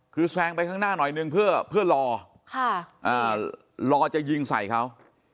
คือแซงไปข้างหน้าหน่อยนึงเพื่อรอรอจะยิงใส่เขา